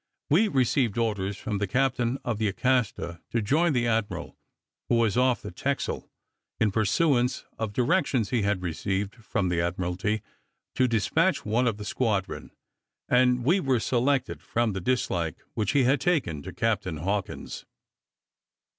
We received orders from the captain of the Acasta to join the admiral, who was off the Texel, in pursuance of directions he had received from the Admiralty to despatch one of the squadron, and we were selected from the dislike which he had taken to Captain Hawkins.